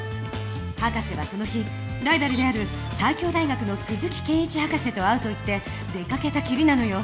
博士はその日ライバルである西京大学の鈴木研一博士と会うと言って出かけたきりなのよ。